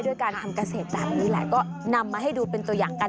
การทำเกษตรแบบนี้แหละก็นำมาให้ดูเป็นตัวอย่างกัน